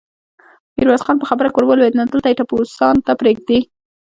ميرويس خان په خبره کې ور ولوېد: نو دلته يې ټپوسانو ته پرېږدې؟